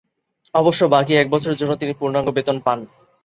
অবশ্য বাকী এক বছরের জন্য তিনি পূর্ণাঙ্গ বেতন পান।